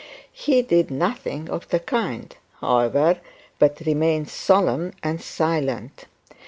He did nothing of the kind, however, but remained solemn and silent.